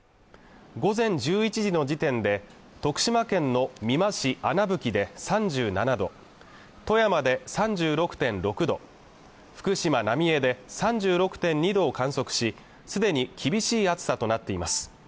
午前１１時の時点で徳島県の美馬市穴吹で３７度富山で３６．６度福島浪江で３６．２度を観測しすでに厳しい暑さとなっています